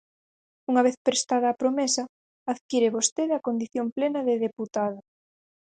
Unha vez prestada a promesa, adquire vostede a condición plena de deputada.